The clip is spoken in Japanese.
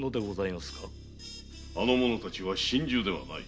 あの者たちは心中ではない。